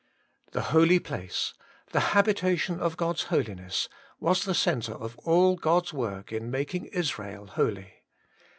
The holy place, the habitation of God's Holiness, was the centre of all God's work in making Israel holy.